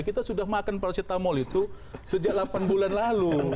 kita sudah makan paracetamol itu sejak delapan bulan lalu